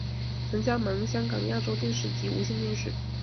曾加盟香港亚洲电视及无线电视。